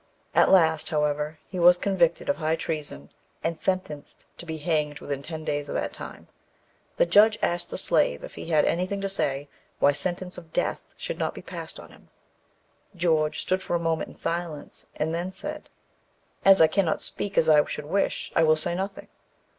At last, however, he was convicted of high treason, and sentenced to be hanged within ten days of that time. The judge asked the slave if he had anything to say why sentence of death should not be passed on him. George stood for a moment in silence, and then said, "As I cannot speak as I should wish, I will say nothing."